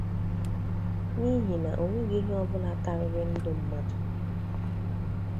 n'ihi na o nweghị ihe ọbụla karịrị ndụ mmadụ.